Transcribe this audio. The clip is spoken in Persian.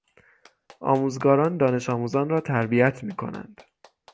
آموزگاران دانش آموزان را تربیت می کنند.